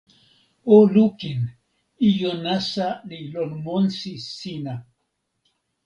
o lukin! ijo nasa li lon monsi sina.